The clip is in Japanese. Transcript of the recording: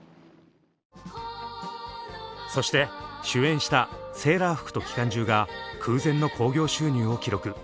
そして主演した「セーラー服と機関銃」が空前の興行収入を記録。